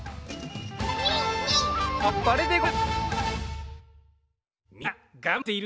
あっぱれでござる！